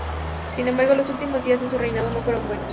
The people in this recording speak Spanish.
Sin embargo, los últimos días de su reinado no fueron buenos.